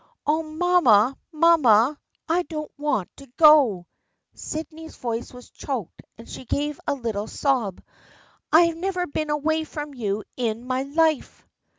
" Oh, mamma, mamma ! I don't want to go !" Sydney's voice was choked and she gave a little sob. " I have never been away from you in my life."